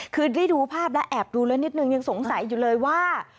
คือได้ดูภาพแล้วแอบดูแล้วนิดนึงยังสงสัยอยู่เลยว่า